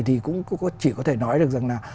thì cũng chỉ có thể nói được rằng là